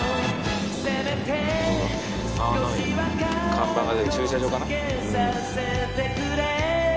看板が駐車場かな？